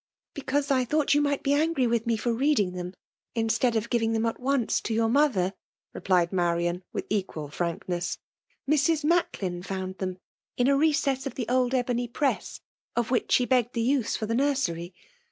" Because I thought you niight be angry with me for reading them, instead of giving them at once to your mother,*' replied Marian, with equal frankness. " Mrs. Macklin found them in a recess of the old ebony press, of which she begged the use' for the nursery.